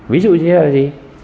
ví dụ như là gì